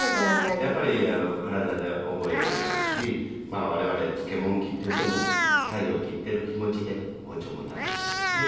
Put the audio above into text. やっぱり体で覚えないかんし我々漬物切ってても鯛を切ってる気持ちで包丁持たないかんしね。